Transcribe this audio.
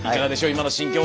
今の心境は。